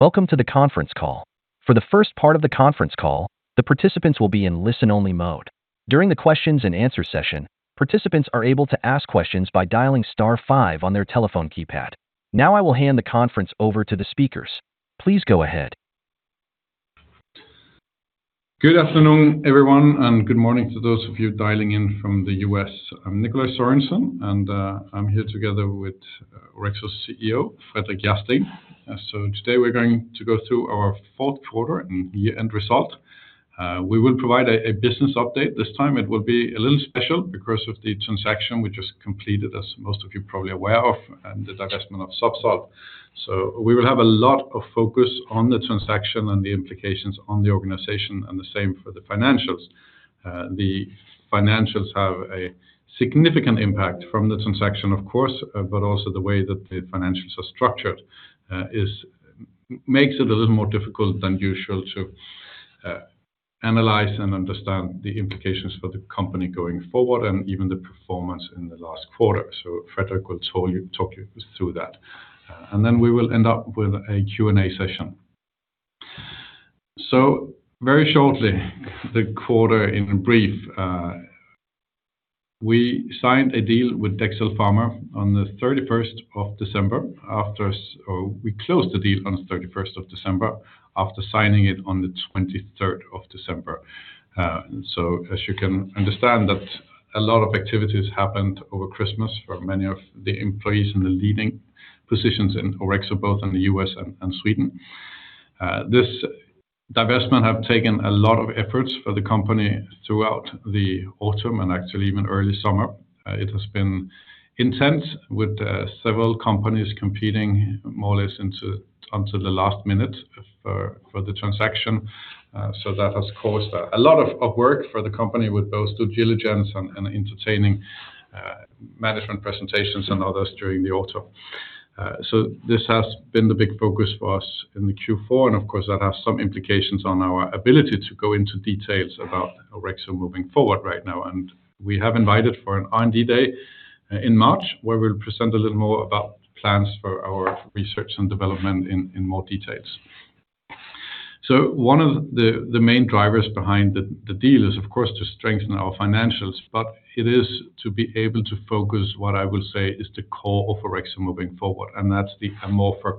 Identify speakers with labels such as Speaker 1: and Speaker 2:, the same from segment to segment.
Speaker 1: Welcome to the conference call. For the first part of the conference call, the participants will be in listen-only mode. During the questions-and-answers session, participants are able to ask questions by dialing star 5 on their telephone keypad. Now I will hand the conference over to the speakers. Please go ahead.
Speaker 2: Good afternoon, everyone, and good morning to those of you dialing in from the U.S. I'm Nikolaj Sørensen, and I'm here together with Orexo's CFO, Fredrik Järrsten. So today we're going to go through our fourth quarter and year-end result. We will provide a business update. This time it will be a little special because of the transaction we just completed, as most of you are probably aware, and the divestment of Zubsolv. So we will have a lot of focus on the transaction and the implications on the organization, and the same for the financials. The financials have a significant impact from the transaction, of course, but also the way that the financials are structured makes it a little more difficult than usual to analyze and understand the implications for the company going forward and even the performance in the last quarter. Fredrik will talk you through that. Then we will end up with a Q&A session. Very shortly, the quarter in brief: we signed a deal with Dexcel Pharma on the 31st of December after we closed the deal on the 31st of December, after signing it on the 23rd of December. So as you can understand, a lot of activities happened over Christmas for many of the employees in the leading positions in Orexo, both in the U.S. and Sweden. This divestment has taken a lot of efforts for the company throughout the autumn and actually even early summer. It has been intense, with several companies competing more or less until the last minute for the transaction. So that has caused a lot of work for the company, with both due diligence and entertaining management presentations and others during the autumn. So this has been the big focus for us in the Q4, and of course that has some implications on our ability to go into details about Orexo moving forward right now. And we have invited for an R&D Day in March, where we'll present a little more about plans for our research and development in more details. So one of the main drivers behind the deal is, of course, to strengthen our financials, but it is to be able to focus what I will say is the core of Orexo moving forward, and that's the AmorphOX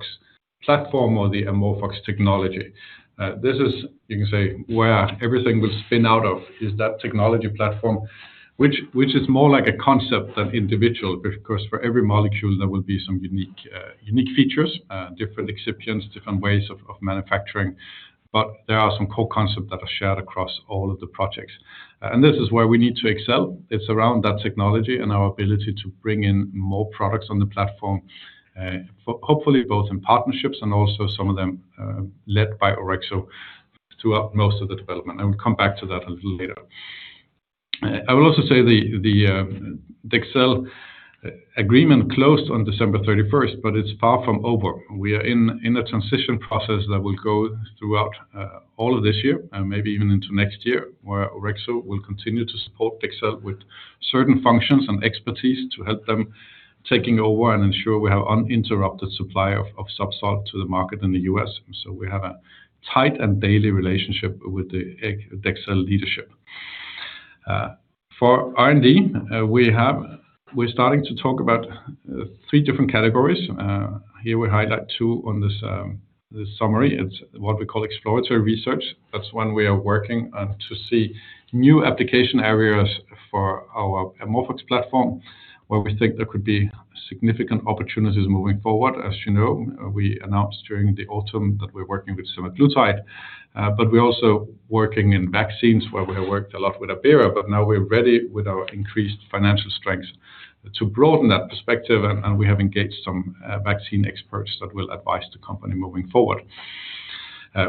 Speaker 2: platform or the AmorphOX technology. This is, you can say, where everything will spin out of is that technology platform, which is more like a concept than individual, because for every molecule there will be some unique features, different excipients, different ways of manufacturing. There are some core concepts that are shared across all of the projects. This is where we need to excel. It's around that technology and our ability to bring in more products on the platform, hopefully both in partnerships and also some of them led by Orexo throughout most of the development. I will come back to that a little later. I will also say the Dexcel agreement closed on December 31st, but it's far from over. We are in a transition process that will go throughout all of this year, maybe even into next year, where Orexo will continue to support Dexcel with certain functions and expertise to help them take over and ensure we have uninterrupted supply of Zubsolv to the market in the U.S. We have a tight and daily relationship with the Dexcel leadership. For R&D, we're starting to talk about three different categories. Here we highlight two on this summary. It's what we call exploratory research. That's when we are working to see new application areas for our AmorphOX platform, where we think there could be significant opportunities moving forward. As you know, we announced during the autumn that we're working with semaglutide, but we're also working in vaccines, where we have worked a lot with Abera, but now we're ready with our increased financial strengths to broaden that perspective, and we have engaged some vaccine experts that will advise the company moving forward.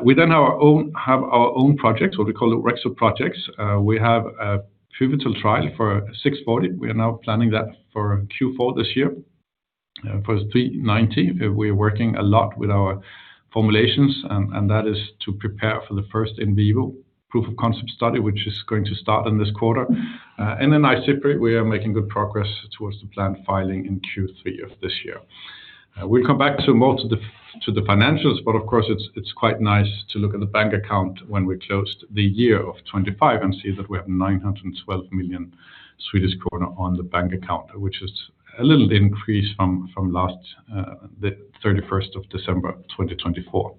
Speaker 2: We then have our own projects, what we call Orexo projects. We have a pivotal trial for OX640. We are now planning that for Q4 this year. For 390, we are working a lot with our formulations, and that is to prepare for the first in vivo proof of concept study, which is going to start in this quarter. In IZIPRY, we are making good progress towards the planned filing in Q3 of this year. We'll come back to more to the financials, but of course it's quite nice to look at the bank account when we closed the year of 2025 and see that we have 912 million Swedish kronor on the bank account, which is a little increase from the 31st of December 2024.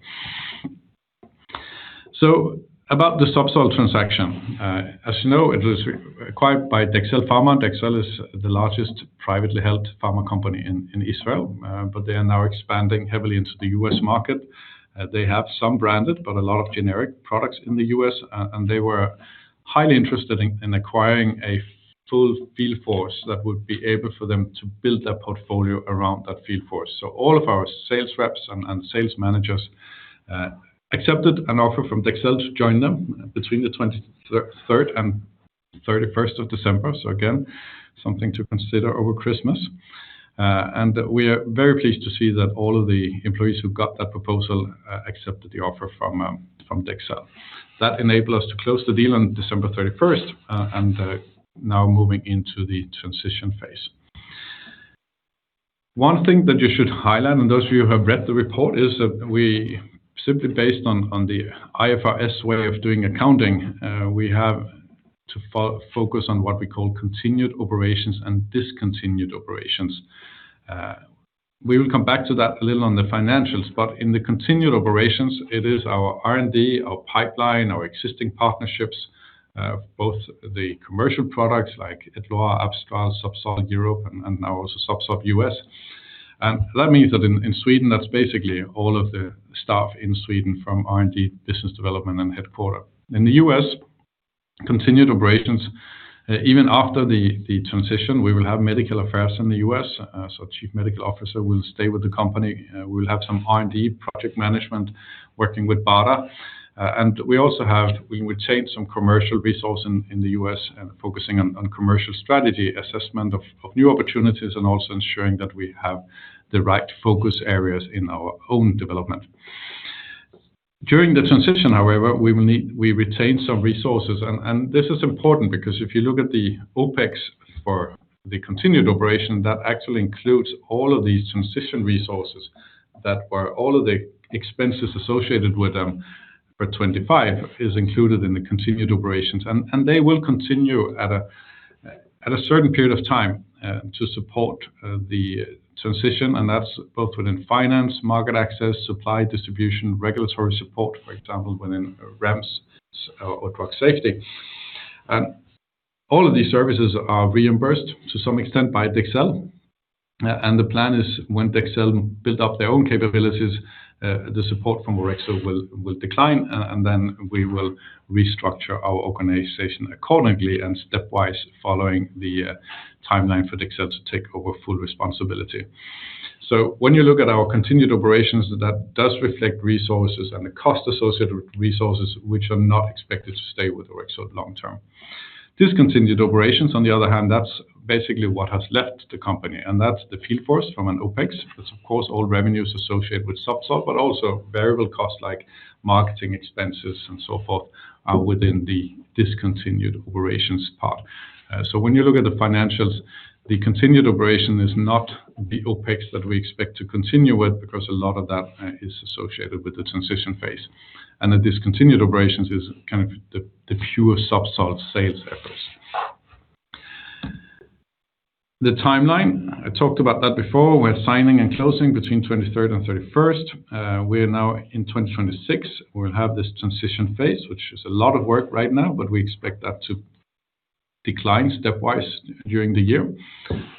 Speaker 2: So about the Zubsolv transaction: as you know, it was acquired by Dexcel Pharma. Dexcel is the largest privately held pharma company in Israel, but they are now expanding heavily into the U.S. market. They have some branded, but a lot of generic products in the U.S., and they were highly interested in acquiring a full field force that would be able for them to build their portfolio around that field force. So all of our sales reps and sales managers accepted an offer from Dexcel to join them between the 23rd and 31st of December. So again, something to consider over Christmas. And we are very pleased to see that all of the employees who got that proposal accepted the offer from Dexcel. That enabled us to close the deal on December 31st and now moving into the transition phase. One thing that you should highlight, and those of you who have read the report, is we simply, based on the IFRS way of doing accounting, we have to focus on what we call continued operations and discontinued operations. We will come back to that a little on the financials, but in the continued operations, it is our R&D, our pipeline, our existing partnerships, both the commercial products like Edluar, Abstral, Zubsolv Europe, and now also Zubsolv U.S. And that means that in Sweden, that's basically all of the staff in Sweden from R&D, business development, and headquarters. In the U.S., continued operations, even after the transition, we will have medical affairs in the U.S. So Chief Medical Officer will stay with the company. We will have some R&D project management working with BARDA. And we also have retained some commercial resources in the U.S., focusing on commercial strategy, assessment of new opportunities, and also ensuring that we have the right focus areas in our own development. During the transition, however, we retained some resources. This is important because if you look at the OPEX for the continued operation, that actually includes all of these transition resources that were all of the expenses associated with them for 2025 is included in the continued operations. They will continue at a certain period of time to support the transition. That's both within finance, market access, supply, distribution, regulatory support, for example, within REMS or drug safety. All of these services are reimbursed to some extent by Dexcel. The plan is when Dexcel builds up their own capabilities, the support from Orexo will decline, and then we will restructure our organization accordingly and stepwise following the timeline for Dexcel to take over full responsibility. So when you look at our continued operations, that does reflect resources and the cost associated with resources, which are not expected to stay with Orexo long term. Discontinued operations, on the other hand, that's basically what has left the company, and that's the field force from an OPEX. That's, of course, all revenues associated with Zubsolv, but also variable costs like marketing expenses and so forth are within the discontinued operations part. So when you look at the financials, the continuing operations is not the OPEX that we expect to continue with because a lot of that is associated with the transition phase. And the discontinued operations is kind of the pure Zubsolv sales efforts. The timeline, I talked about that before. We're signing and closing between 23rd and 31st. We're now in 2026. We'll have this transition phase, which is a lot of work right now, but we expect that to decline stepwise during the year.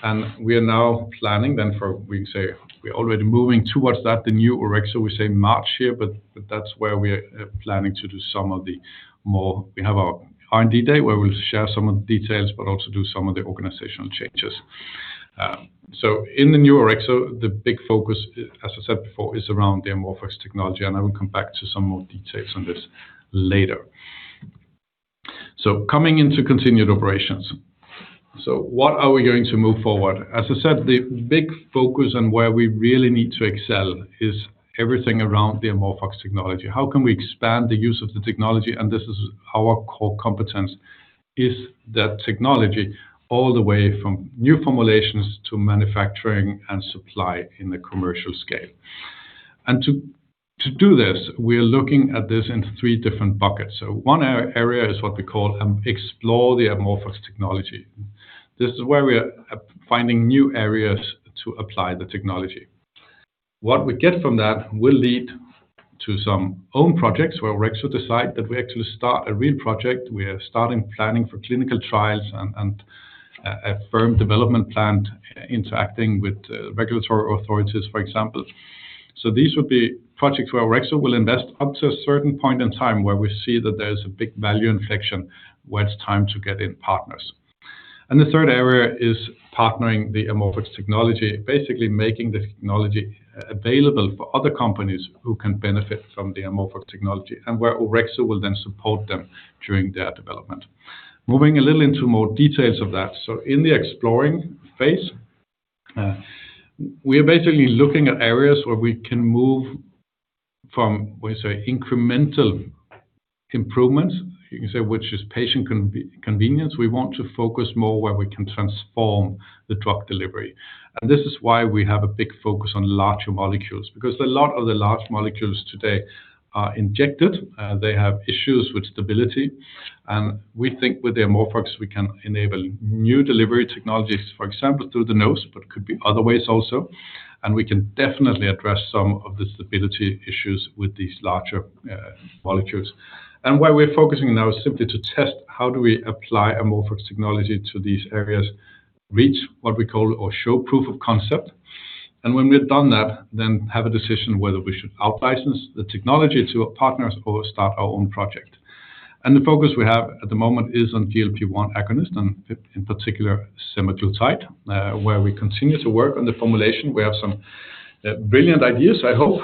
Speaker 2: And we are now planning then for we can say we're already moving towards that, the new Orexo. We say March here, but that's where we're planning to do some of the more we have our R&D Day where we'll share some of the details, but also do some of the organizational changes. So in the new Orexo, the big focus, as I said before, is around the AmorphOX technology, and I will come back to some more details on this later. So coming into continued operations. So what are we going to move forward? As I said, the big focus and where we really need to excel is everything around the AmorphOX technology. How can we expand the use of the technology? And this is our core competence: is that technology all the way from new formulations to manufacturing and supply in the commercial scale? And to do this, we are looking at this in three different buckets. One area is what we call explore the AmorphOX technology. This is where we are finding new areas to apply the technology. What we get from that will lead to some own projects where Orexo decide that we actually start a real project. We are starting planning for clinical trials and a firm development plan interacting with regulatory authorities, for example. These would be projects where Orexo will invest up to a certain point in time where we see that there is a big value inflection, where it's time to get in partners. The third area is partnering the AmorphOX technology, basically making the technology available for other companies who can benefit from the AmorphOX technology and where Orexo will then support them during their development. Moving a little into more details of that. So in the exploring phase, we are basically looking at areas where we can move from, when you say incremental improvements, you can say, which is patient convenience. We want to focus more where we can transform the drug delivery. And this is why we have a big focus on larger molecules, because a lot of the large molecules today are injected. They have issues with stability. And we think with the AmorphOX, we can enable new delivery technologies, for example, through the nose, but could be other ways also. And we can definitely address some of the stability issues with these larger molecules. And where we're focusing now is simply to test how do we apply AmorphOX technology to these areas, reach what we call or show proof of concept. When we've done that, then have a decision whether we should outlicense the technology to our partners or start our own project. The focus we have at the moment is on GLP-1 agonist and in particular semaglutide, where we continue to work on the formulation. We have some brilliant ideas, I hope,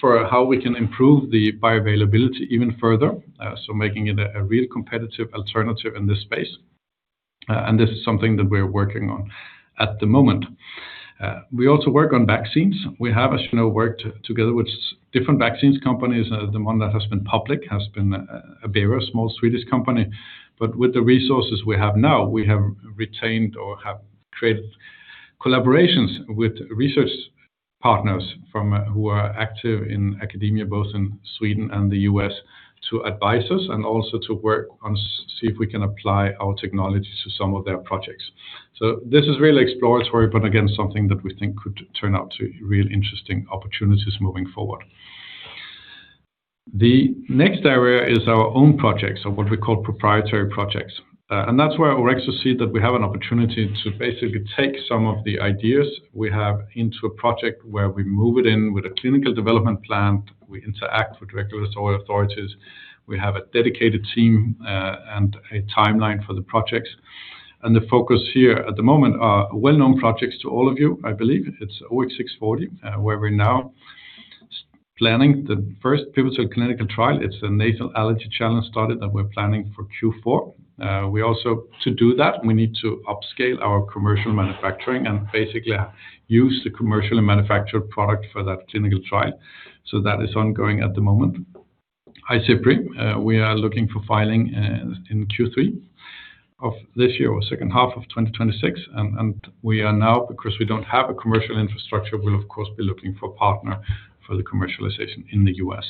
Speaker 2: for how we can improve the bioavailability even further, so making it a real competitive alternative in this space. This is something that we're working on at the moment. We also work on vaccines. We have, as you know, worked together with different vaccines companies. The one that has been public has been Abera, a small Swedish company. But with the resources we have now, we have retained or have created collaborations with research partners who are active in academia, both in Sweden and the U.S., to advise us and also to work on, see if we can apply our technology to some of their projects. So this is really exploratory, but again, something that we think could turn out to really interesting opportunities moving forward. The next area is our own projects, or what we call proprietary projects. And that's where Orexo sees that we have an opportunity to basically take some of the ideas we have into a project where we move it in with a clinical development plan. We interact with regulatory authorities. We have a dedicated team and a timeline for the projects. And the focus here at the moment are well-known projects to all of you. I believe it's OX640, where we're now planning the first pivotal clinical trial. It's a nasal allergy challenge study that we're planning for Q4. We also, to do that, we need to upscale our commercial manufacturing and basically use the commercially manufactured product for that clinical trial. So that is ongoing at the moment. IZIPRY, we are looking for filing in Q3 of this year or second half of 2026. And we are now, because we don't have a commercial infrastructure, we'll, of course, be looking for a partner for the commercialization in the U.S.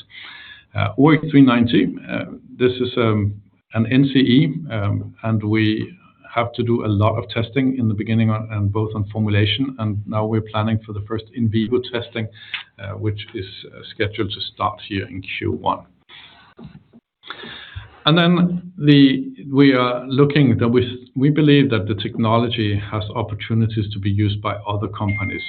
Speaker 2: OX390, this is an NCE, and we have to do a lot of testing in the beginning and both on formulation. And now we're planning for the first in vivo testing, which is scheduled to start here in Q1. And then we are looking that we believe that the technology has opportunities to be used by other companies.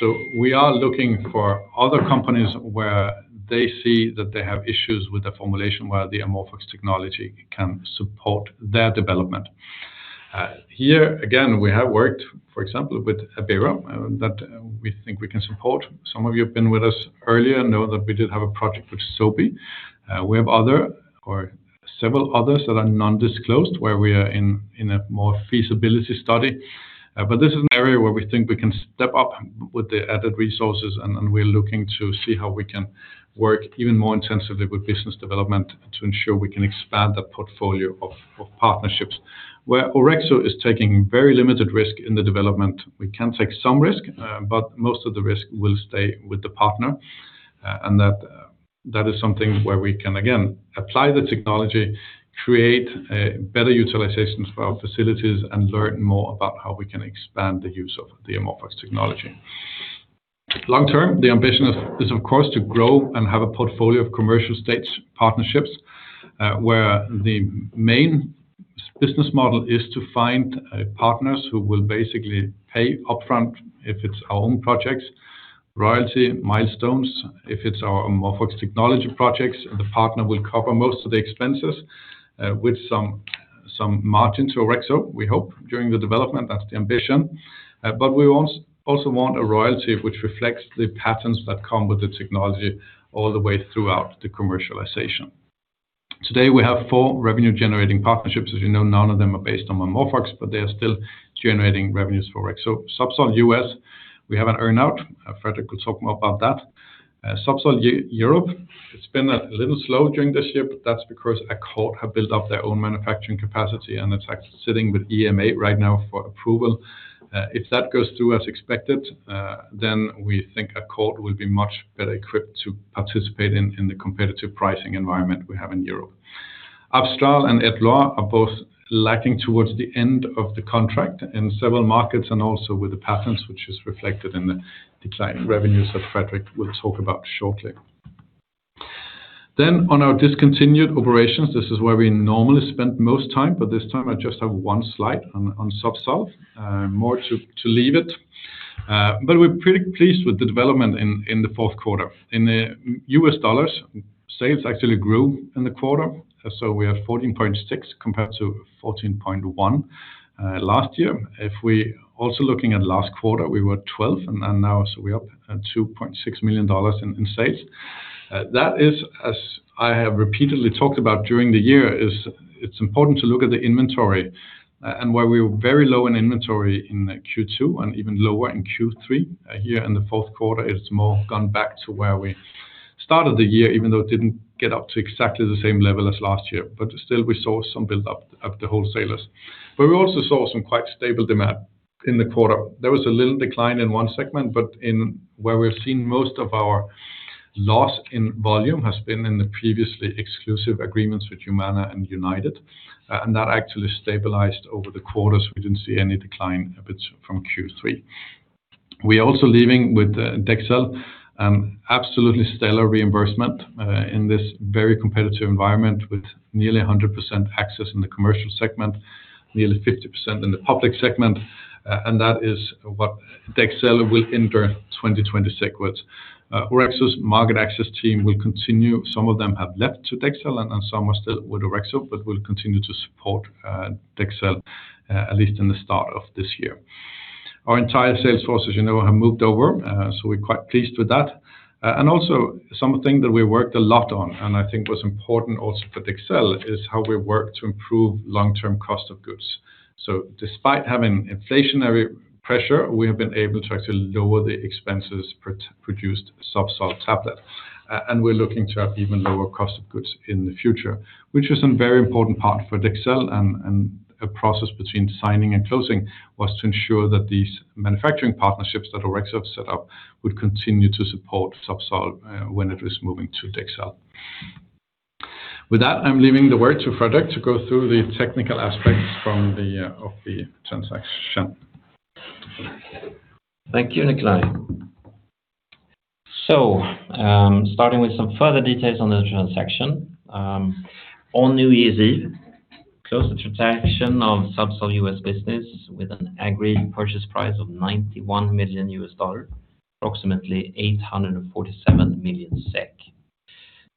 Speaker 2: So we are looking for other companies where they see that they have issues with the formulation where the AmorphOX technology can support their development. Here again, we have worked, for example, with Abera that we think we can support. Some of you have been with us earlier, know that we did have a project with Sobi. We have other or several others that are non-disclosed where we are in a more feasibility study. But this is an area where we think we can step up with the added resources, and we're looking to see how we can work even more intensively with business development to ensure we can expand that portfolio of partnerships where Orexo is taking very limited risk in the development. We can take some risk, but most of the risk will stay with the partner. That is something where we can, again, apply the technology, create better utilizations for our facilities, and learn more about how we can expand the use of the AmorphOX technology. Long term, the ambition is, of course, to grow and have a portfolio of commercial stage partnerships where the main business model is to find partners who will basically pay upfront if it's our own projects, royalty milestones. If it's our AmorphOX technology projects, the partner will cover most of the expenses with some margin to Orexo, we hope, during the development. That's the ambition. But we also want a royalty which reflects the patents that come with the technology all the way throughout the commercialization. Today, we have four revenue-generating partnerships. As you know, none of them are based on AmorphOX, but they are still generating revenues for Orexo. Zubsolv U.S., we have an earnout. Fredrik will talk more about that. Zubsolv Europe, it's been a little slow during this year, but that's because Accord have built up their own manufacturing capacity, and it's actually sitting with EMA right now for approval. If that goes through as expected, then we think Accord will be much better equipped to participate in the competitive pricing environment we have in Europe. Abstral and Edluar are both lagging towards the end of the contract in several markets and also with the partners, which is reflected in the declining revenues that Fredrik will talk about shortly. Then on our discontinued operations, this is where we normally spend most time, but this time I just have one slide on Zubsolv, more to leave it. But we're pretty pleased with the development in the fourth quarter. In U.S. dollars, sales actually grew in the quarter. So we had $14.6 million compared to $14.1 million last year. If we also looking at last quarter, we were $12 million, and now we're up at $2.6 million in sales. That is, as I have repeatedly talked about during the year, it's important to look at the inventory and where we were very low in inventory in Q2 and even lower in Q3. Here in the fourth quarter, it's more gone back to where we started the year, even though it didn't get up to exactly the same level as last year. But still, we saw some buildup of the wholesalers. But we also saw some quite stable demand in the quarter. There was a little decline in one segment, but where we've seen most of our loss in volume has been in the previously exclusive agreements with Humana and United. That actually stabilized over the quarters. We didn't see any decline from Q3. We are also leaving with Dexcel an absolutely stellar reimbursement in this very competitive environment with nearly 100% access in the commercial segment, nearly 50% in the public segment. That is what Dexcel will enter 2026 with. Orexo's market access team will continue. Some of them have left to Dexcel, and some are still with Orexo, but will continue to support Dexcel, at least in the start of this year. Our entire sales force, as you know, have moved over. So we're quite pleased with that. And also something that we worked a lot on, and I think was important also for Dexcel, is how we work to improve long-term cost of goods. So despite having inflationary pressure, we have been able to actually lower the expenses produced Zubsolv tablet. And we're looking to have even lower cost of goods in the future, which was a very important part for Dexcel. And a process between signing and closing was to ensure that these manufacturing partnerships that Orexo have set up would continue to support Zubsolv when it was moving to Dexcel. With that, I'm leaving the word to Fredrik to go through the technical aspects of the transaction.
Speaker 3: Thank you, Nikolaj. So starting with some further details on the transaction, on New Year's Eve, closed the transaction of Zubsolv U.S. business with an agreed purchase price of $91 million, approximately 847 million SEK.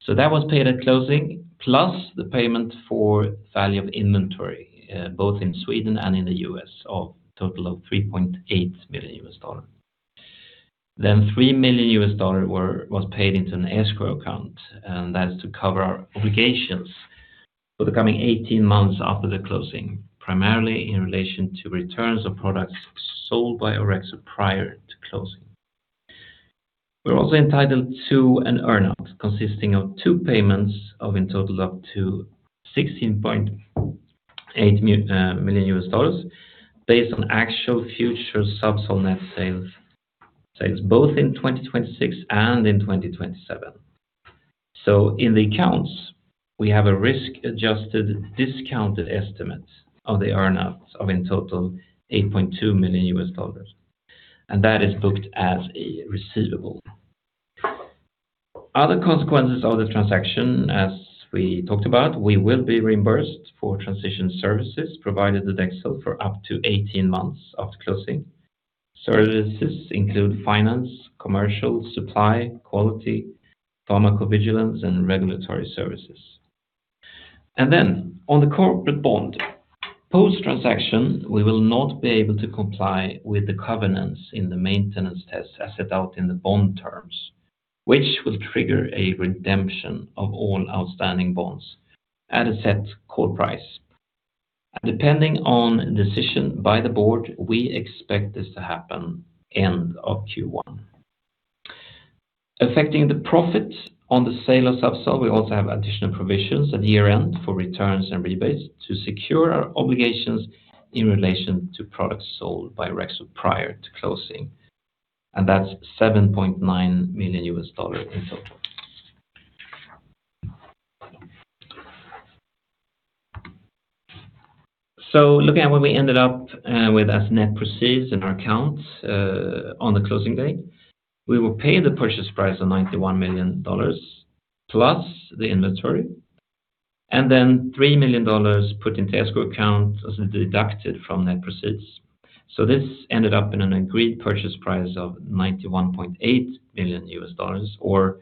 Speaker 3: So that was paid at closing, plus the payment for value of inventory, both in Sweden and in the U.S., of a total of $3.8 million. Then $3 million was paid into an escrow account, and that is to cover our obligations for the coming 18 months after the closing, primarily in relation to returns of products sold by Orexo prior to closing. We're also entitled to an earnout consisting of two payments of in total up to $16.8 million based on actual future Zubsolv net sales, both in 2026 and in 2027. So in the accounts, we have a risk-adjusted discounted estimate of the earnouts of in total $8.2 million. That is booked as a receivable. Other consequences of the transaction, as we talked about, we will be reimbursed for transition services provided to Dexcel for up to 18 months after closing. Services include finance, commercial, supply, quality, pharmacovigilance, and regulatory services. Then on the corporate bond, post-transaction, we will not be able to comply with the covenants in the maintenance tests as set out in the bond terms, which will trigger a redemption of all outstanding bonds at a set call price. Depending on decision by the board, we expect this to happen end of Q1. Affecting the profit on the sale of Zubsolv, we also have additional provisions at year-end for returns and rebates to secure our obligations in relation to products sold by Orexo prior to closing. That's $7.9 million in total. So looking at where we ended up with as net proceeds in our accounts on the closing day, we were paid the purchase price of $91 million plus the inventory, and then $3 million put into escrow account as deducted from net proceeds. So this ended up in an agreed purchase price of $91.8 million or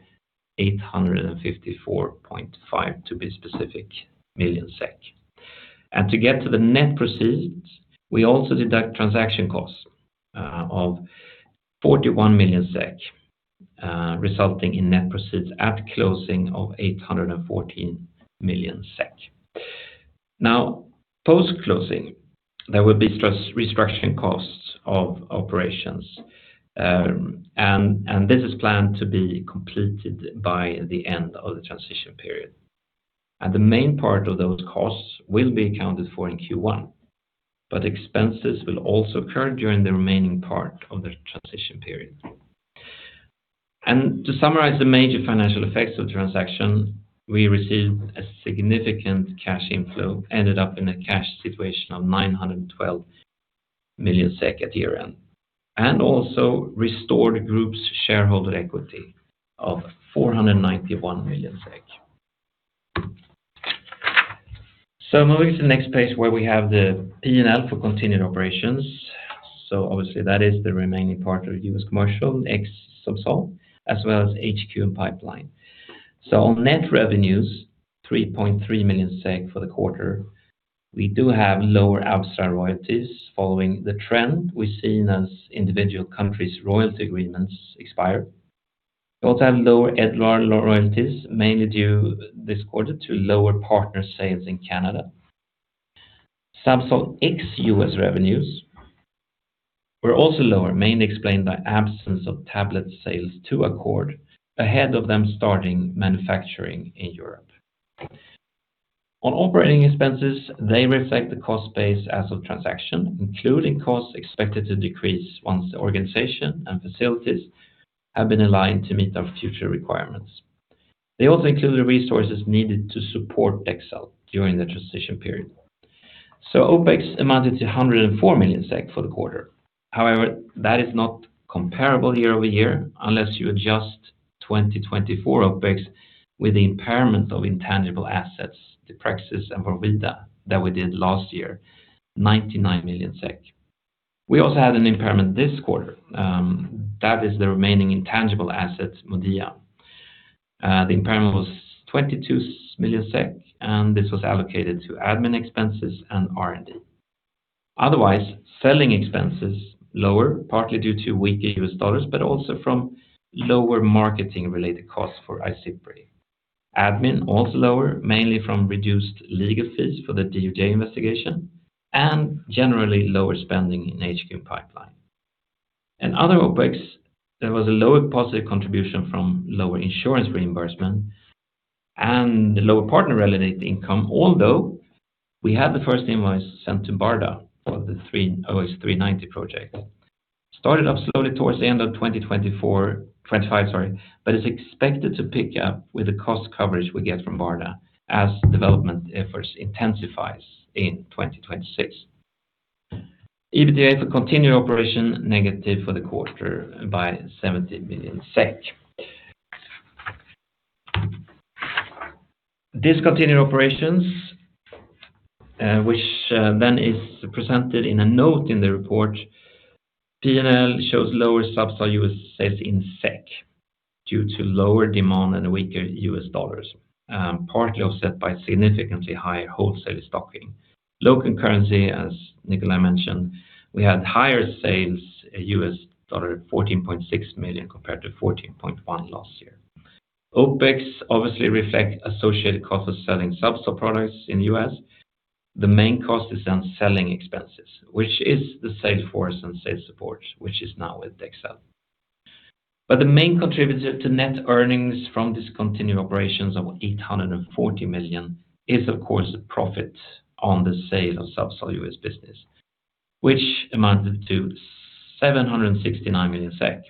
Speaker 3: 854.5, to be specific, million SEK. And to get to the net proceeds, we also deduct transaction costs of 41 million SEK, resulting in net proceeds at closing of 814 million SEK. Now, post-closing, there will be restructuring costs of operations. And this is planned to be completed by the end of the transition period. And the main part of those costs will be accounted for in Q1. But expenses will also occur during the remaining part of the transition period. To summarize the major financial effects of the transaction, we received a significant cash inflow, ended up in a cash situation of 912 million SEK at year-end, and also restored group's shareholder equity of SEK 491 million. Moving to the next page where we have the P&L for continued operations. Obviously, that is the remaining part of U.S. commercial, ex-Zubsolv, as well as HQ and pipeline. On net revenues, 3.3 million SEK for the quarter. We do have lower Abstral royalties following the trend we've seen as individual countries' royalty agreements expire. We also have lower Edluar royalties, mainly due this quarter to lower partner sales in Canada. Zubsolv ex-U.S. revenues were also lower, mainly explained by absence of tablet sales to Accord, ahead of them starting manufacturing in Europe. On operating expenses, they reflect the cost base as of transaction, including costs expected to decrease once the organization and facilities have been aligned to meet our future requirements. They also include the resources needed to support Dexcel during the transition period. So OPEX amounted to 104 million SEK for the quarter. However, that is not comparable year-over-year unless you adjust 2024 OPEX with the impairment of intangible assets, Deprexis and Vorvida that we did last year, 99 million SEK. We also had an impairment this quarter. That is the remaining intangible assets, MODIA. The impairment was 22 million SEK, and this was allocated to admin expenses and R&D. Otherwise, selling expenses lower, partly due to weaker U.S. dollars, but also from lower marketing-related costs for IZIPRY. Admin also lower, mainly from reduced legal fees for the DOJ investigation and generally lower spending in HQ and pipeline. And other OPEX, there was a lower positive contribution from lower insurance reimbursement and lower partner-related income, although we had the first invoice sent to BARDA for the OX390 project. Started up slowly towards the end of 2024, 2025, sorry, but is expected to pick up with the cost coverage we get from BARDA as development efforts intensify in 2026. EBITDA for continued operation negative for the quarter by 70 million SEK. Discontinued operations, which then is presented in a note in the report, P&L shows lower Zubsolv U.S. sales in SEK due to lower demand and weaker U.S. dollars, partly offset by significantly higher wholesale stocking. In Q4, as Nikolai mentioned, we had higher sales, U.S. dollar $14.6 million compared to $14.1 million last year. OPEX obviously reflects associated costs for selling Zubsolv products in the U.S. The main cost is on selling expenses, which is the sales force and sales support, which is now with Dexcel. But the main contributor to net earnings from discontinued operations of 840 million is, of course, the profit on the sale of Zubsolv U.S. business, which amounted to 769 million SEK.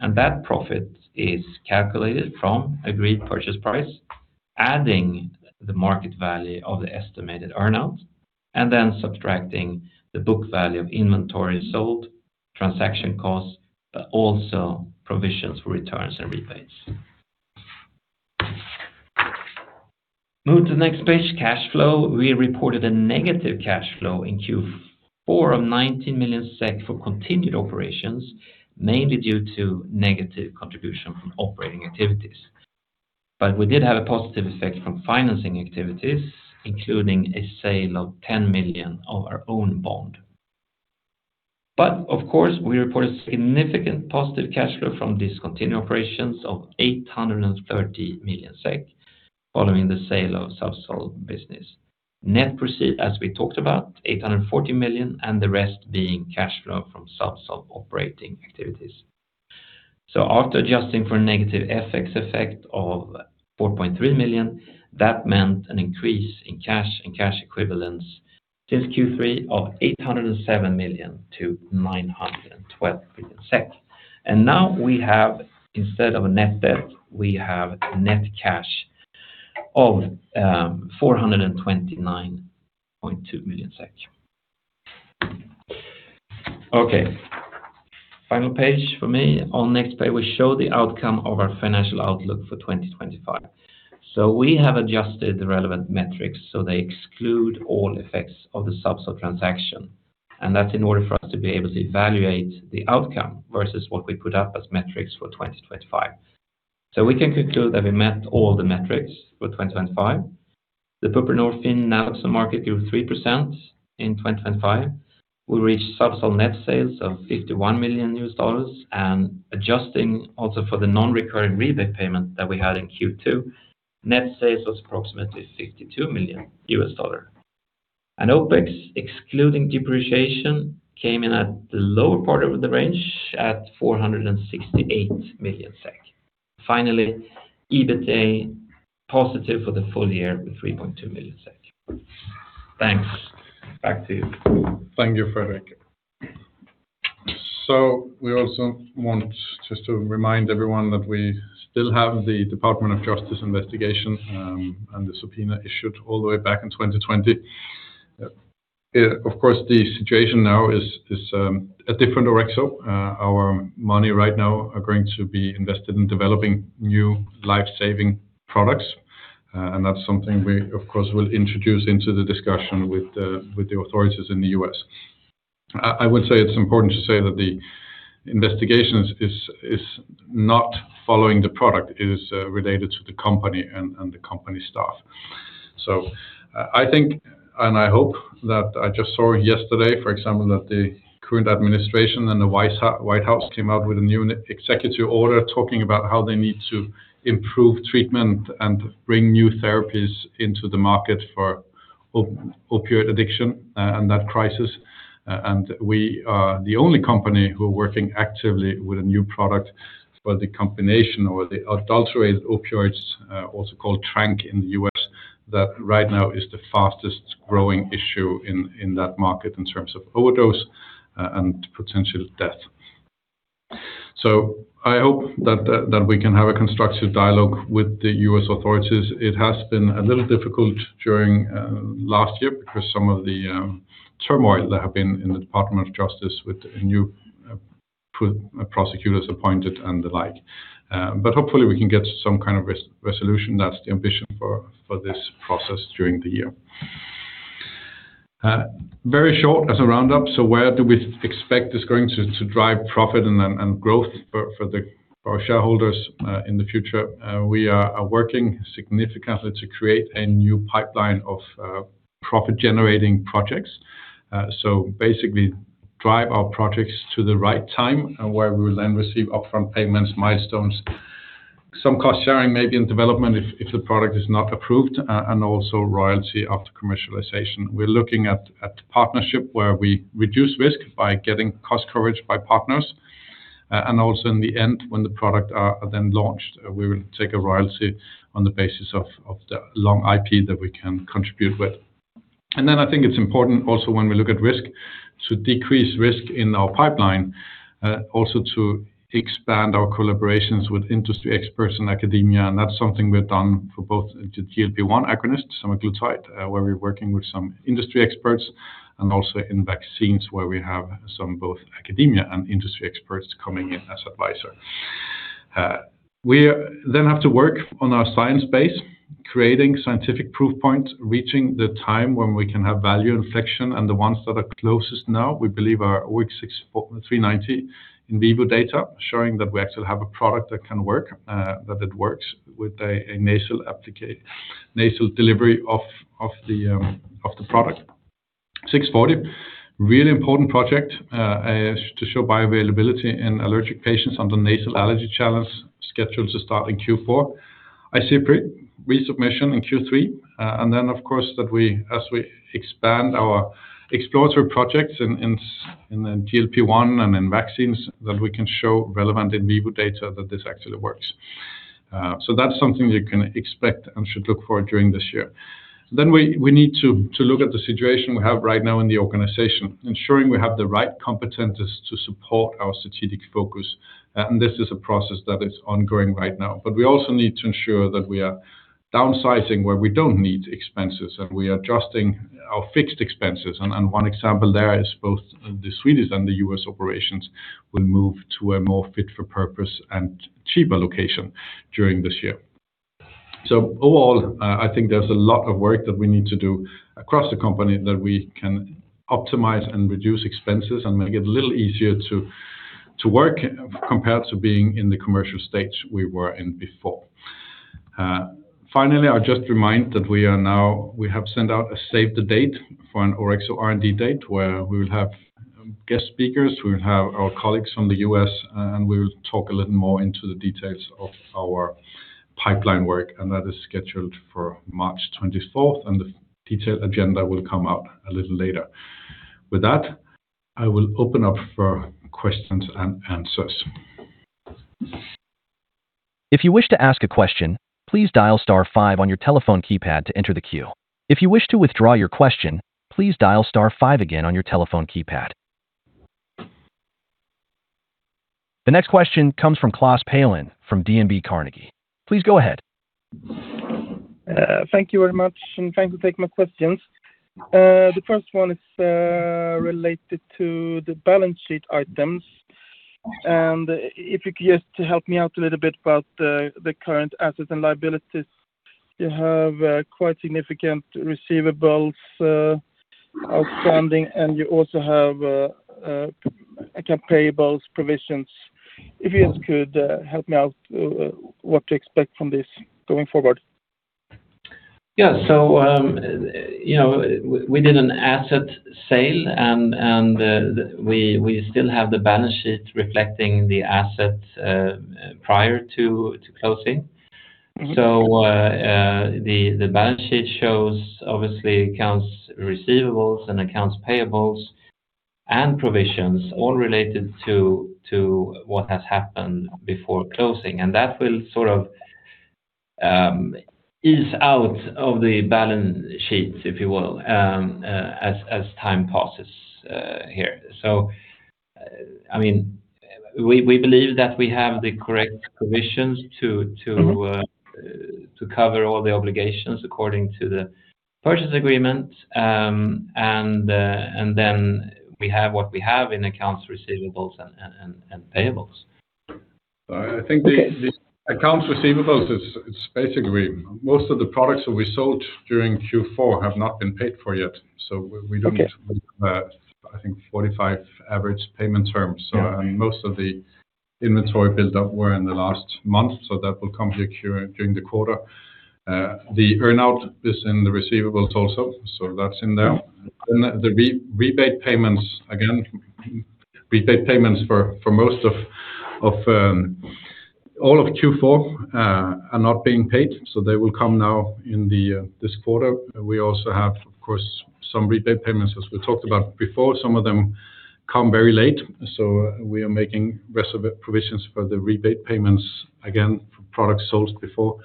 Speaker 3: And that profit is calculated from agreed purchase price, adding the market value of the estimated earnout, and then subtracting the book value of inventory sold, transaction costs, but also provisions for returns and rebates. Move to the next page, cash flow. We reported a negative cash flow in Q4 of 19 million SEK for continued operations, mainly due to negative contribution from operating activities. But we did have a positive effect from financing activities, including a sale of 10 million of our own bond. But of course, we reported significant positive cash flow from discontinued operations of 830 million SEK following the sale of Zubsolv business. Net proceeds, as we talked about, of 840 million, and the rest being cash flow from Zubsolv operating activities. So after adjusting for a negative FX effect of 4.3 million, that meant an increase in cash and cash equivalents since Q3 of 807 million to 912 million SEK. And now we have, instead of a net debt, we have net cash of SEK 429.2 million. Okay, final page for me. On next page, we show the outcome of our financial outlook for 2025. So we have adjusted the relevant metrics so they exclude all effects of the Zubsolv transaction. And that's in order for us to be able to evaluate the outcome versus what we put up as metrics for 2025. We can conclude that we met all the metrics for 2025. The buprenorphine naloxone market grew 3% in 2025. We reached Zubsolv net sales of $51 million. Adjusting also for the non-recurring rebate payment that we had in Q2, net sales was approximately $52 million. OPEX, excluding depreciation, came in at the lower part of the range at 468 million SEK. Finally, EBITDA positive for the full year with 3.2 million SEK. Thanks. Back to you.
Speaker 2: Thank you, Fredrik. So we also want just to remind everyone that we still have the Department of Justice investigation and the subpoena issued all the way back in 2020. Of course, the situation now is a different Orexo. Our money right now is going to be invested in developing new life-saving products. And that's something we, of course, will introduce into the discussion with the authorities in the U.S. I would say it's important to say that the investigation is not following the product. It is related to the company and the company staff. So I think and I hope that I just saw yesterday, for example, that the current administration and the White House came out with a new executive order talking about how they need to improve treatment and bring new therapies into the market for opioid addiction and that crisis. We are the only company who are working actively with a new product for the combination or the adulterated opioids, also called tranq, in the U.S., that right now is the fastest growing issue in that market in terms of overdose and potential death. So I hope that we can have a constructive dialogue with the U.S. authorities. It has been a little difficult during last year because some of the turmoil that have been in the Department of Justice with new prosecutors appointed and the like. But hopefully, we can get some kind of resolution. That's the ambition for this process during the year. Very short as a roundup. So where do we expect this going to drive profit and growth for our shareholders in the future? We are working significantly to create a new pipeline of profit-generating projects. So basically, drive our projects to the right time where we will then receive upfront payments, milestones, some cost sharing maybe in development if the product is not approved, and also royalty after commercialization. We're looking at the partnership where we reduce risk by getting cost coverage by partners. And also in the end, when the product is then launched, we will take a royalty on the basis of the long IP that we can contribute with. And then I think it's important also, when we look at risk, to decrease risk in our pipeline, also to expand our collaborations with industry experts and academia. And that's something we've done for both the GLP-1 agonist, semaglutide, where we're working with some industry experts, and also in vaccines where we have some both academia and industry experts coming in as advisors. We then have to work on our science base, creating scientific proof points, reaching the time when we can have value inflection. The ones that are closest now, we believe, are OX390 in vivo data, showing that we actually have a product that can work, that it works with a nasal delivery of the product. 640, really important project to show bioavailability in allergic patients under nasal allergy challenge, scheduled to start in Q4. IZIPRY, resubmission in Q3. Then, of course, that as we expand our exploratory projects in the GLP-1 and in vaccines, that we can show relevant in vivo data that this actually works. So that's something you can expect and should look for during this year. Then we need to look at the situation we have right now in the organization, ensuring we have the right competences to support our strategic focus. This is a process that is ongoing right now. But we also need to ensure that we are downsizing where we don't need expenses, and we are adjusting our fixed expenses. One example there is both the Swedish and the U.S. operations will move to a more fit-for-purpose and cheaper location during this year. So overall, I think there's a lot of work that we need to do across the company that we can optimize and reduce expenses and make it a little easier to work compared to being in the commercial stage we were in before. Finally, I'll just remind that we have sent out a save-the-date for an Orexo R&D Day where we will have guest speakers. We will have our colleagues from the U.S., and we will talk a little more into the details of our pipeline work. That is scheduled for March 24th. The detailed agenda will come out a little later. With that, I will open up for questions and answers.
Speaker 1: If you wish to ask a question, please dial star 5 on your telephone keypad to enter the queue. If you wish to withdraw your question, please dial star 5 again on your telephone keypad. The next question comes from Klas Palin from DNB Carnegie. Please go ahead.
Speaker 4: Thank you very much, and thanks for taking my questions. The first one is related to the balance sheet items. If you could just help me out a little bit about the current assets and liabilities. You have quite significant receivables outstanding, and you also have account payables provisions. If you just could help me out what to expect from this going forward.
Speaker 3: Yeah. So we did an asset sale, and we still have the balance sheet reflecting the assets prior to closing. So the balance sheet shows, obviously, accounts receivable and accounts payable and provisions, all related to what has happened before closing. And that will sort of ease out of the balance sheet, if you will, as time passes here. So I mean, we believe that we have the correct provisions to cover all the obligations according to the purchase agreement. And then we have what we have in accounts receivable and payable.
Speaker 2: I think the accounts receivables, it's basically most of the products that we sold during Q4 have not been paid for yet. So we don't have, I think, 45 average payment terms. And most of the inventory buildup were in the last month. So that will come here during the quarter. The earnout is in the receivables also. So that's in there. Then the rebate payments, again, rebate payments for most of all of Q4 are not being paid. So they will come now in this quarter. We also have, of course, some rebate payments, as we talked about before. Some of them come very late. So we are making provisions for the rebate payments, again, for products sold before.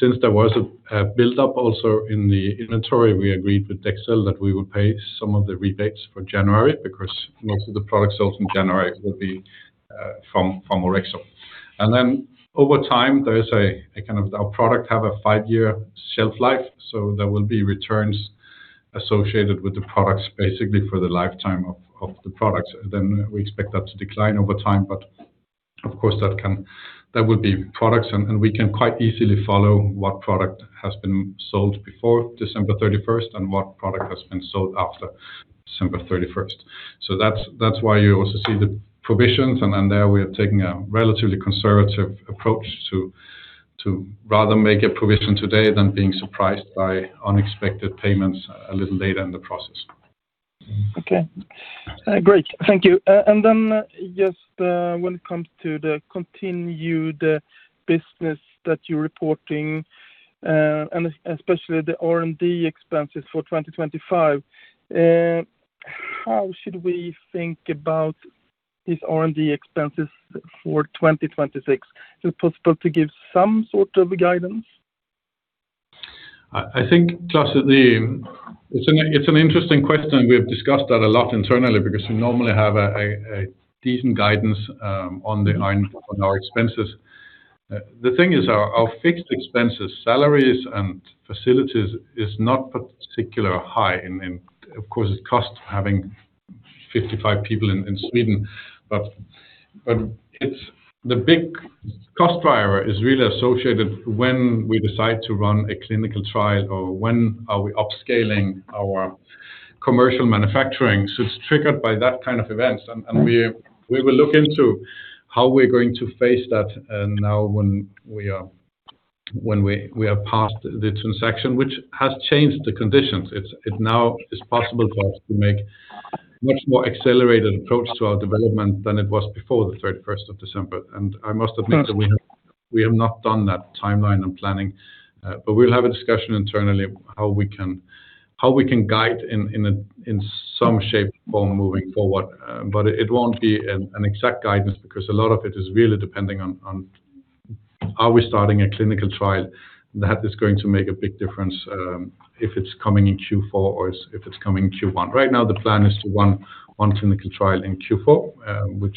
Speaker 2: Since there was a buildup also in the inventory, we agreed with Dexcel that we would pay some of the rebates for January because most of the products sold in January will be from Orexo. And then over time, there is a kind of our product have a 5-year shelf life. So there will be returns associated with the products, basically for the lifetime of the products. Then we expect that to decline over time. But of course, that will be products. And we can quite easily follow what product has been sold before December 31st and what product has been sold after December 31st. So that's why you also see the provisions. And then there we are taking a relatively conservative approach to rather make a provision today than being surprised by unexpected payments a little later in the process.
Speaker 4: Okay. Great. Thank you. And then just when it comes to the continued business that you're reporting, and especially the R&D expenses for 2025, how should we think about these R&D expenses for 2026? Is it possible to give some sort of guidance?
Speaker 2: I think, Klaus, it's an interesting question. We have discussed that a lot internally because we normally have a decent guidance on our expenses. The thing is, our fixed expenses, salaries and facilities, is not particularly high. Of course, it costs having 55 people in Sweden. But the big cost driver is really associated when we decide to run a clinical trial or when are we upscaling our commercial manufacturing. So it's triggered by that kind of events. We will look into how we're going to face that now when we are past the transaction, which has changed the conditions. It now is possible for us to make a much more accelerated approach to our development than it was before the 31st of December. I must admit that we have not done that timeline and planning. We'll have a discussion internally how we can guide in some shape or form moving forward. It won't be an exact guidance because a lot of it is really depending on are we starting a clinical trial that is going to make a big difference if it's coming in Q4 or if it's coming in Q1. Right now, the plan is to run one clinical trial in Q4, which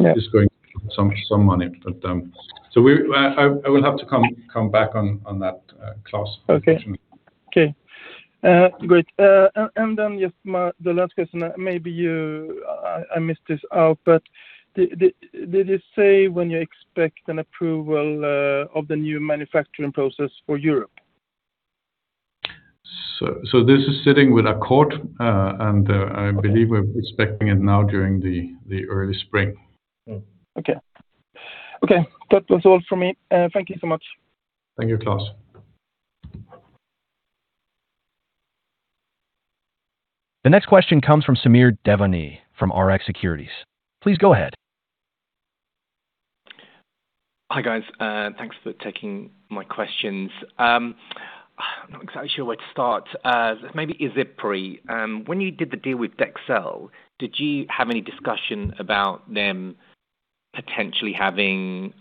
Speaker 2: is going to cost some money. I will have to come back on that, Klaus.
Speaker 4: Okay. Okay. Great. And then just the last question. Maybe I missed this out. But did you say when you expect an approval of the new manufacturing process for Europe?
Speaker 2: This is sitting with a court. I believe we're expecting it now during the early spring.
Speaker 4: Okay. Okay. That was all from me. Thank you so much.
Speaker 2: Thank you, Klaus.
Speaker 1: The next question comes from Samir Devani from Rx Securities. Please go ahead.
Speaker 5: Hi, guys. Thanks for taking my questions. I'm not exactly sure where to start. Maybe IZIPRY. When you did the deal with Dexcel, did you have any discussion about them potentially having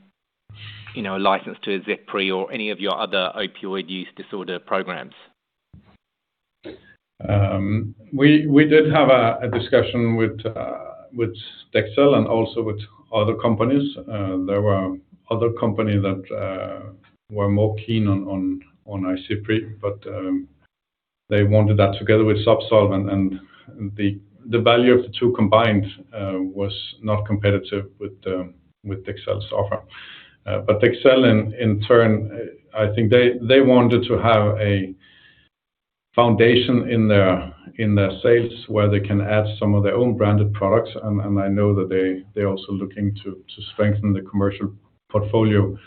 Speaker 5: a license to IZIPRYor any of your other opioid use disorder programs?
Speaker 2: We did have a discussion with Dexcel and also with other companies. There were other companies that were more keen on IZIPRY. But they wanted that together with Zubsolv. And the value of the two combined was not competitive with Dexcel's offer. But Dexcel, in turn, I think they wanted to have a foundation in their sales where they can add some of their own branded products. And I know that they're also looking to strengthen the commercial portfolio.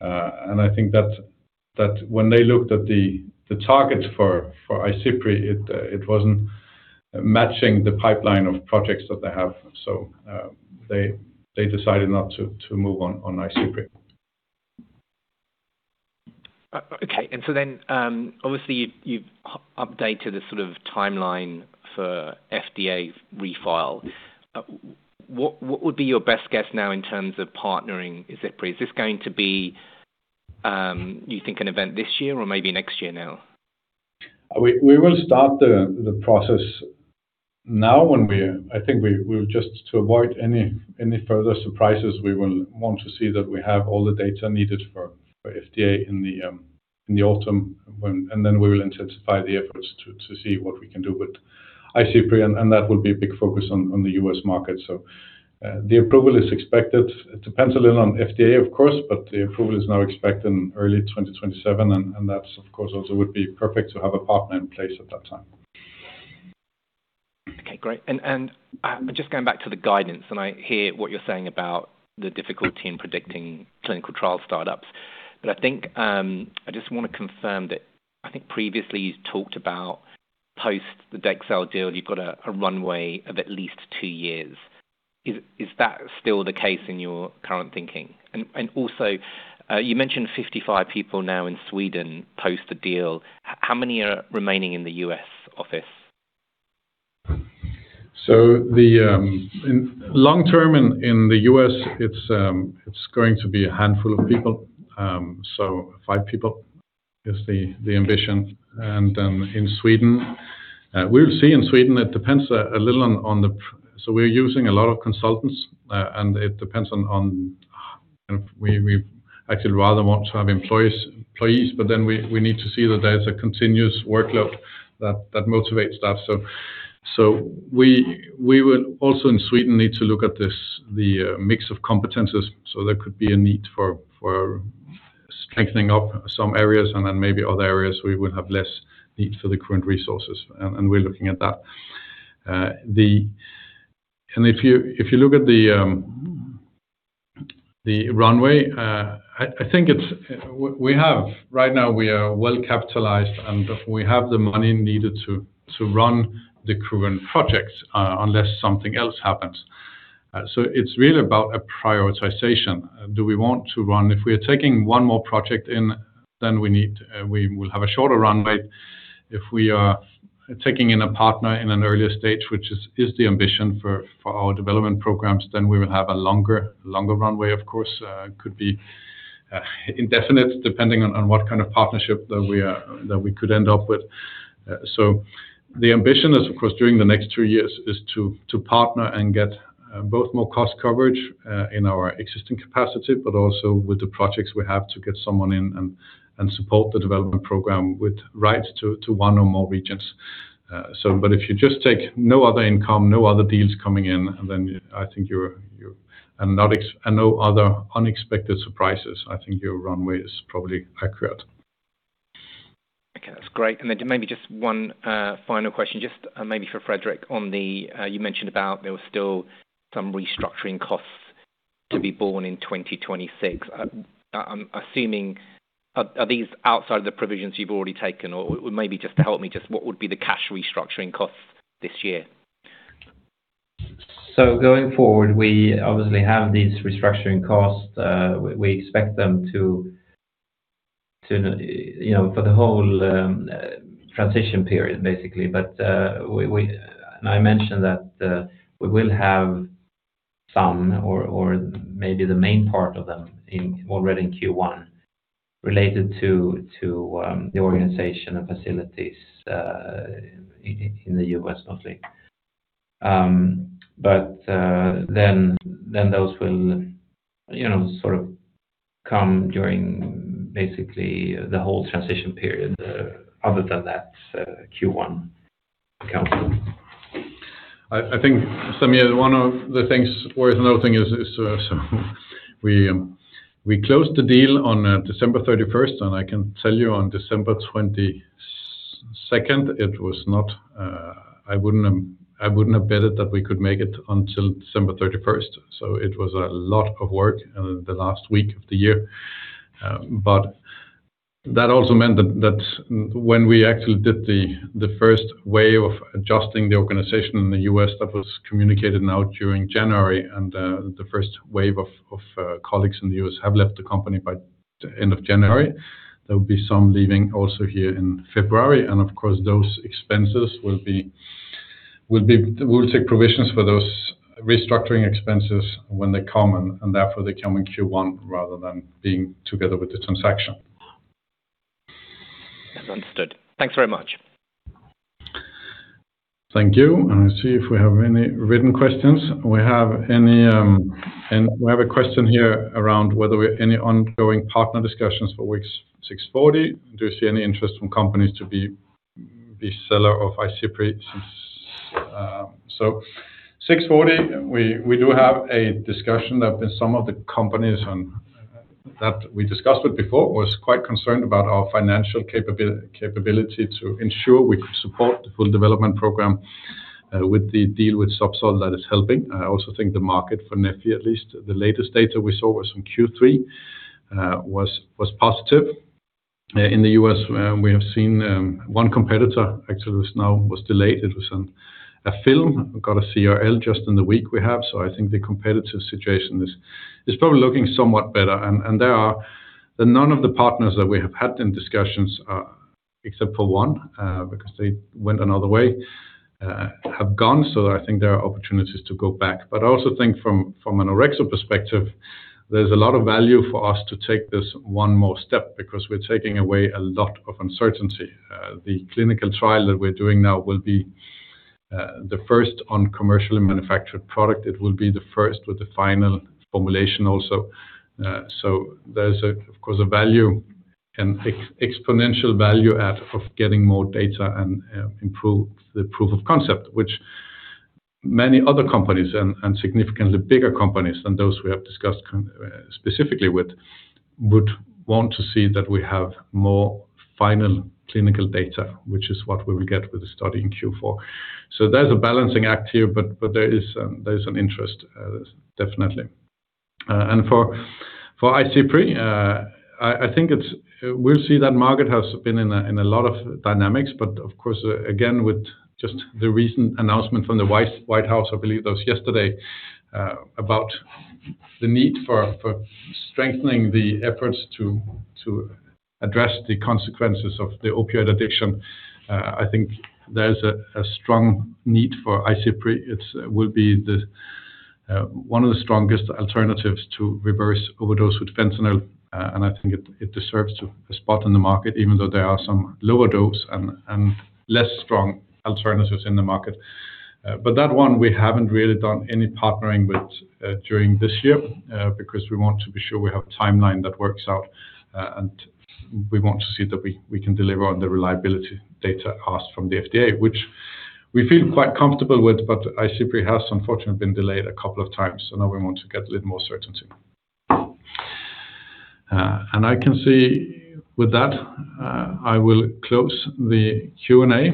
Speaker 2: And I think that when they looked at the targets for IZIPRY, it wasn't matching the pipeline of projects that they have. So they decided not to move on IZIPRY.
Speaker 5: Okay. Obviously, you've updated the sort of timeline for FDA refile. What would be your best guess now in terms of partnering IZIPRY? Is this going to be, you think, an event this year or maybe next year now?
Speaker 2: We will start the process now. I think just to avoid any further surprises, we will want to see that we have all the data needed for FDA in the autumn. Then we will intensify the efforts to see what we can do with IZIPRY. That will be a big focus on the U.S. market. The approval is expected. It depends a little on FDA, of course. The approval is now expected in early 2027. That, of course, also would be perfect to have a partner in place at that time.
Speaker 5: Okay. Great. Just going back to the guidance. I hear what you're saying about the difficulty in predicting clinical trial startups. But I just want to confirm that I think previously you talked about post the Dexcel deal, you've got a runway of at least two years. Is that still the case in your current thinking? Also, you mentioned 55 people now in Sweden post the deal. How many are remaining in the U.S. office?
Speaker 2: So long-term, in the U.S., it's going to be a handful of people. Five people is the ambition. Then in Sweden, we will see in Sweden. It depends a little on the so we're using a lot of consultants. And it depends on we actually rather want to have employees. But then we need to see that there's a continuous workload that motivates that. We will also, in Sweden, need to look at the mix of competencies. There could be a need for strengthening up some areas. Then maybe other areas, we will have less need for the current resources. And we're looking at that. If you look at the runway, I think we have right now, we are well capitalized. And we have the money needed to run the current projects unless something else happens. It's really about a prioritization. Do we want to run if we are taking one more project in, then we will have a shorter run rate. If we are taking in a partner in an earlier stage, which is the ambition for our development programs, then we will have a longer runway, of course. Could be indefinite, depending on what kind of partnership that we could end up with. So the ambition is, of course, during the next two years is to partner and get both more cost coverage in our existing capacity, but also with the projects we have to get someone in and support the development program with rights to one or more regions. But if you just take no other income, no other deals coming in, then I think you're right and no other unexpected surprises, I think your runway is probably accurate.
Speaker 5: Okay. That's great. And then maybe just one final question, just maybe for Fredrik. You mentioned about there were still some restructuring costs to be borne in 2026. Are these outside of the provisions you've already taken? Or maybe just to help me, just what would be the cash restructuring costs this year?
Speaker 3: Going forward, we obviously have these restructuring costs. We expect them to for the whole transition period, basically. I mentioned that we will have some or maybe the main part of them already in Q1 related to the organization and facilities in the U.S., mostly. Then those will sort of come during basically the whole transition period other than that Q1 accounts.
Speaker 2: I think, Samir, one of the things worth noting is we closed the deal on December 31st. I can tell you, on December 22nd, it was not I wouldn't have betted that we could make it until December 31st. It was a lot of work in the last week of the year. That also meant that when we actually did the first wave of adjusting the organization in the U.S., that was communicated now during January. The first wave of colleagues in the U.S. have left the company by the end of January. There will be some leaving also here in February. Of course, those expenses will be we will take provisions for those restructuring expenses when they come. Therefore, they come in Q1 rather than being together with the transaction.
Speaker 5: Understood. Thanks very much.
Speaker 2: Thank you. And I see if we have any written questions. We have a question here around whether any ongoing partner discussions for OX640. Do you see any interest from companies to be seller of IZIPRY? So OX640, we do have a discussion that some of the companies that we discussed with before was quite concerned about our financial capability to ensure we could support the full development program with the deal with Zubsolv that is helping. I also think the market for epinephrine, at least the latest data we saw was in Q3, was positive. In the U.S., we have seen one competitor, actually, was now delayed. It was a film. Got a CRL just in the week we have. So I think the competitive situation is probably looking somewhat better. None of the partners that we have had in discussions, except for one because they went another way, have gone. I think there are opportunities to go back. I also think from an Orexo perspective, there's a lot of value for us to take this one more step because we're taking away a lot of uncertainty. The clinical trial that we're doing now will be the first on commercially manufactured product. It will be the first with the final formulation also. There's, of course, an exponential value add of getting more data and improve the proof of concept, which many other companies and significantly bigger companies than those we have discussed specifically with would want to see that we have more final clinical data, which is what we will get with the study in Q4. There's a balancing act here. But there is an interest, definitely. And for IZIPRY, I think we'll see that market has been in a lot of dynamics. But of course, again, with just the recent announcement from the White House, I believe that was yesterday, about the need for strengthening the efforts to address the consequences of the opioid addiction, I think there's a strong need for IZIPRY. It will be one of the strongest alternatives to reverse overdose with fentanyl. And I think it deserves a spot in the market, even though there are some lower dose and less strong alternatives in the market. But that one, we haven't really done any partnering with during this year because we want to be sure we have a timeline that works out. And we want to see that we can deliver on the reliability data asked from the FDA, which we feel quite comfortable with. IZIPRY has, unfortunately, been delayed a couple of times. Now we want to get a little more certainty. I can see with that, I will close the Q&A.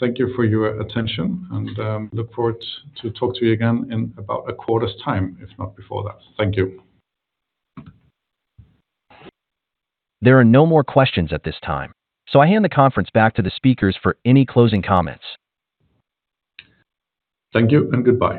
Speaker 2: Thank you for your attention. Look forward to talking to you again in about a quarter's time, if not before that. Thank you.
Speaker 1: There are no more questions at this time. So I hand the conference back to the speakers for any closing comments.
Speaker 2: Thank you. And goodbye.